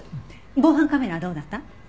防犯カメラはどうだった？